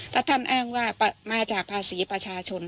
ถ้าท่านอ้างว่ามาจากภาษีประชาชน